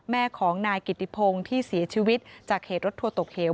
แม่ของนายกิติพงศ์ที่เสียชีวิตจากเหตุรถทัวร์ตกเหว